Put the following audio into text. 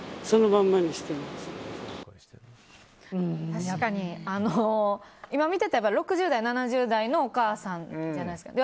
確かに、今見てたら６０代、７０代のお母さんじゃないですか。